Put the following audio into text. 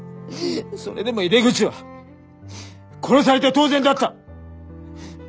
それでも井出口は殺されて当然だった。